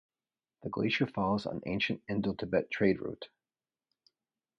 The glacier falls on ancient Indo-Tibet trade route.